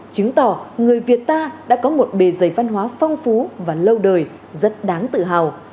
chứng tỏ người việt ta đã có một bề dày văn hóa phong phú và lâu đời rất đáng tự hào